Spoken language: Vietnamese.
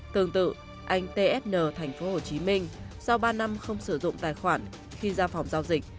tương tự anh tsn tp hcm sau ba năm không sử dụng tài khoản khi ra phòng giao dịch